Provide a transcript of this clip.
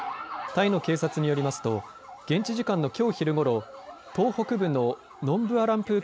タイの警察によりますと現地時間のきょう昼ごろ東北部のノンブアランプー